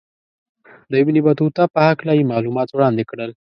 د ابن بطوطه په هکله یې معلومات وړاندې کړل.